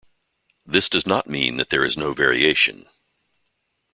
This does not mean that there is no variation.